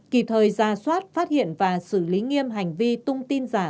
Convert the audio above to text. kịp thời ra soát phát hiện và xử lý nghiêm hành vi tung tin giả